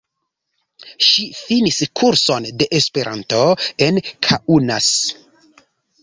Ŝi finis kurson de Esperanto en Kaunas.